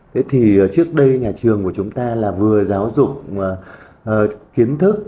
thế thì trước đây nhà trường của chúng ta là vừa giáo dục kiến thức